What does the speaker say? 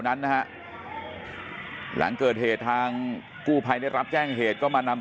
นั้นนะฮะหลังเกิดเหตุทางกู้ภัยได้รับแจ้งเหตุก็มานำ